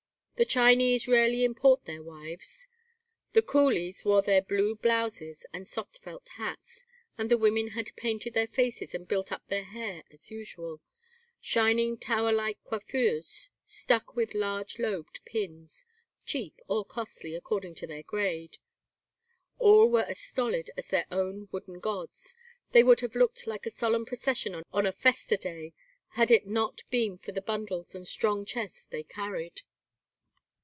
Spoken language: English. The Chinese rarely import their wives. The coolies wore their blue blouses and soft felt hats, and the women had painted their faces and built up their hair as usual, shining tower like coiffures stuck with large lobed pins, cheap or costly, according to their grade. All were as stolid as their own wooden gods. They would have looked like a solemn procession on a festa day had it not been for the bundles and strong chests they carried.